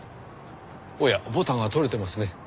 おやボタンが取れてますね。